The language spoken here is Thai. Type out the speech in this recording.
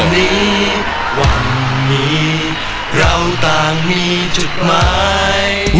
วันนี้วันนี้เราต่างมีจุดหมาย